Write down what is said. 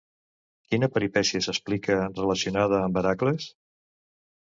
Quina peripècia s'explica, relacionada amb Hèracles?